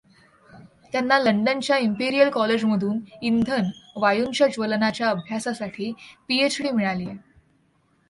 त्यांना लंडनच्या इंपीरियल कॉलेजमधून इंधन वायूंच्या ज्वलनाच्या अभ्यासासाठी पीएच. डी मिळाली आहे.